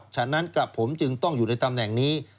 ฉะนั้นกับผมจึงต้องอยู่ในตำแหน่งนี้